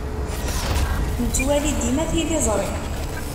Nettwali dima tiliẓṛi.